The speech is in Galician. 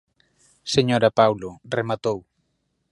Señora Paulo, rematou.